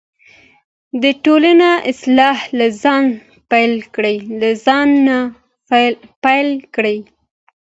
د ټولنې اصلاح له ځانه پیل کړئ.